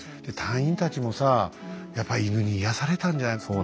隊員たちもさやっぱ犬に癒やされたんじゃない？